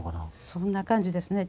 そんな感じですね。